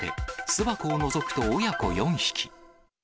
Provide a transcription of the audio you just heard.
巣箱をのぞくと親子４匹。